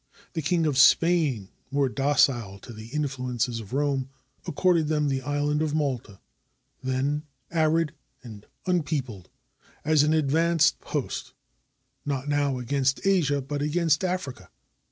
The King of Spain, more docile to the influences of Rome, accorded them the island of Malta, then arid and unpeopled, as an advance post, not now against Asia, but against Africa.